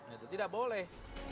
itu tidak boleh